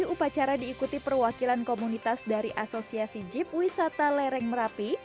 upacara diikuti perwakilan komunitas dari asosiasi jeep wisata lereng merapi